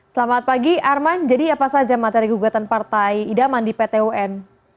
selamat pagi arman jadi apa saja materi gugatan partai idaman di pt un